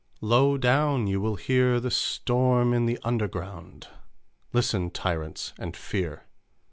Low down you will hear The storm in the underground! Listen, tyrants, and fear!